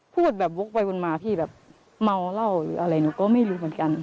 พูดแบบวกไปวนมาพี่แบบเมาเหล้าหรืออะไรหนูก็ไม่รู้เหมือนกัน